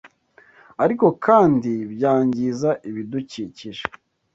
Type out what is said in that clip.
ariko kandi byangiza ibidukikije